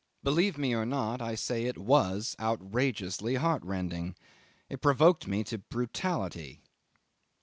Believe me or not, I say it was outrageously heartrending. It provoked me to brutality.